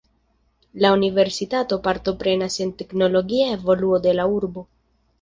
La universitato partoprenas en teknologia evoluo de la urbo.